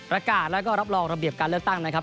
อากาศแล้วก็รับรองระเบียบการเลือกตั้งนะครับ